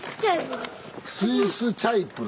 スイスチャイプル？